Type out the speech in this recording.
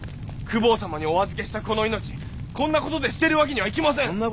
公方様にお預けしたこの命こんな事で捨てるわけにはいきません。